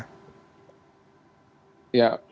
ya pastikan kalau orang ngerjakan